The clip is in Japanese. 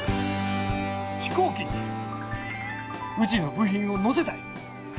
飛行機にうちの部品を乗せたい。